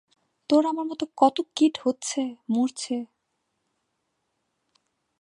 তোর আমার মত কত কীট হচ্ছে মরছে।